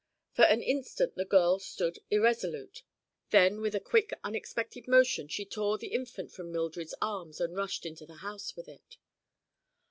For an instant the girl stood irresolute; then with a quick, unexpected motion she tore the infant from Mildred's arms and rushed into the house with it.